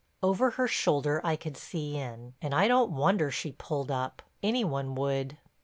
Over her shoulder I could see in, and I don't wonder she pulled up—any one would.